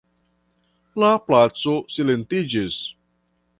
La placo silentiĝis.